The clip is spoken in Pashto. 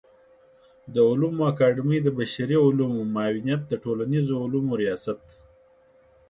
د علومو اکاډمۍ د بشري علومو معاونيت د ټولنيزو علومو ریاست